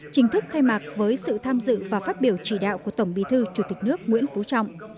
chính thức khai mạc với sự tham dự và phát biểu chỉ đạo của tổng bí thư chủ tịch nước nguyễn phú trọng